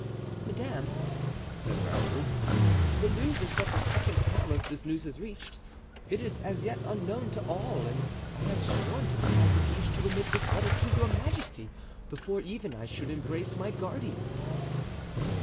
"Madame," said Raoul, "the Louvre is but the second palace this news has reached; it is as yet unknown to all, and I had sworn to the Count de Guiche to remit this letter to your majesty before even I should embrace my guardian."